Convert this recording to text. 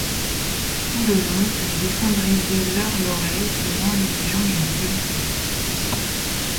Tout le long les dessins brisés leurrent l'oreille donnant l'illusion d'une polyphonie.